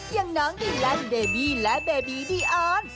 อย่างน้องที่รักเดบีและเบบีดีออน